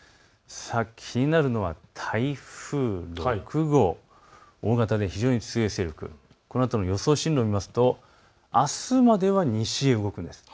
気になるのは台風６号、大型で非常に強い勢力、このあとの予想進路を見るとあすまでは西へ動くんです。